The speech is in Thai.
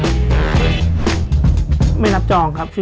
ไม่รับจองครับ